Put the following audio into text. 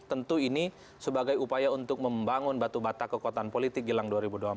tentu ini sebagai upaya untuk membangun batu bata kekuatan politik jelang dua ribu dua puluh empat